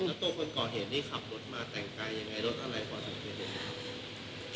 แล้วตัวคนก็เห็นที่ขับรถมาแต่งกายอย่างเงี้ยรถอะไรพอสังเกต